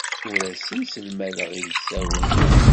Ur asen-sselmadeɣ ilsawen.